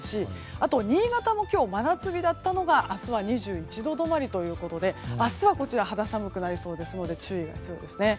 あと新潟も今日真夏日だったのが明日は２１度止まりということで明日は肌寒くなりそうですので注意が必要ですね。